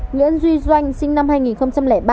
nguyễn duy doanh sinh năm hai nghìn ba